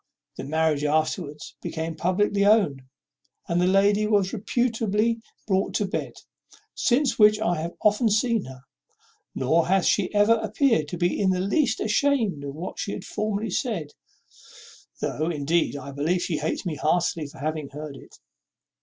The marriage afterwards became publicly owned, and the lady was reputably brought to bed. Since which I have often seen her; nor hath she ever appeared to be in the least ashamed of what she had formerly said, though, indeed, I believe she hates me heartily for having heard it."